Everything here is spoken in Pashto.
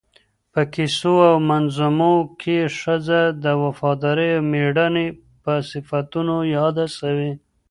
په کیسو او منظومو کي ښځه د وفادارۍ او مېړانې په صفتونو یاده سوی